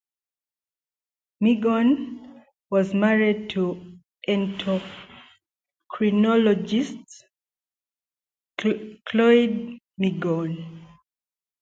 Migeon was married to endocrinologist Claude Migeon.